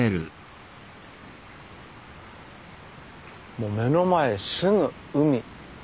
もう目の前すぐ海。